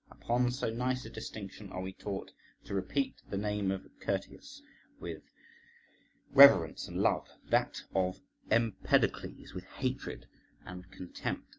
Upon so nice a distinction are we taught to repeat the name of Curtius with reverence and love, that of Empedocles with hatred and contempt.